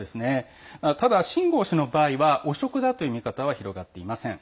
ただ、秦剛氏の場合は汚職だという見方は広がっていません。